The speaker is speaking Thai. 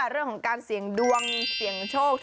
เรื่องของการเสี่ยงดวงเสี่ยงโชค